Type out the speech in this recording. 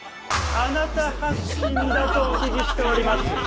あなた発信だとお聞きしております。